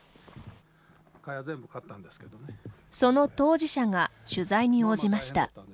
その当事者が取材に応じました。